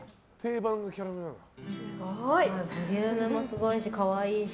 ボリュームもすごいし可愛いし。